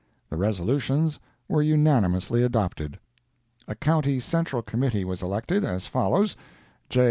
The resolutions were unanimously adopted. A County Central Committee was elected, as follows: J.